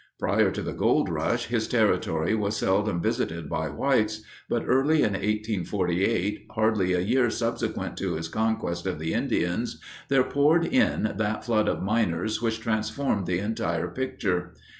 Prior to the gold rush, his territory was seldom visited by whites, but early in 1848, hardly a year subsequent to his conquest of the Indians, there poured in that flood of miners which transformed the entire picture.